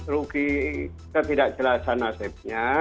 rugi ketidakjelasan nasib